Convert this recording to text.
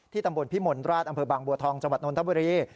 ตำบลพิมลราชอำเภอบางบัวทองจังหวัดนทบุรี